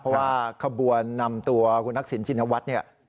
เพราะว่าขบวนนำตัวคุณทักษิณชินวัฒน์เนี่ย